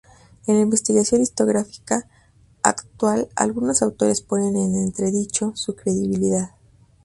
En la investigación historiográfica actual algunos autores ponen en entredicho su credibilidad.